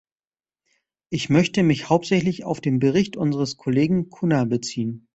Ich möchte mich hauptsächlich auf den Bericht unseres Kollegen Cunha beziehen.